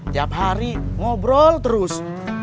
tiap hari ngobrol terus